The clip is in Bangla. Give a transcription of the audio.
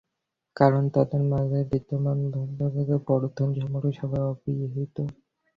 কারণ তাদের মাঝে বিদ্যমান ভ্রাতৃত্বের বন্ধন সম্পর্কে সবাই অবহিত।